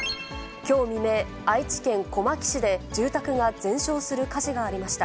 きょう未明、愛知県小牧市で、住宅が全焼する火事がありました。